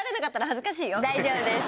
大丈夫です。